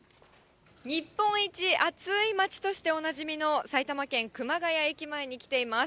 日本一暑い町としておなじみの埼玉県熊谷駅前に来ています。